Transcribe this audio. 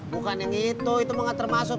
bukan yang itu itu mah gak termasuk